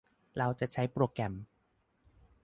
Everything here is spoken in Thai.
เราจะใช้โปรแกรม